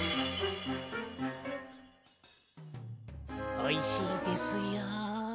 おいしいですよ。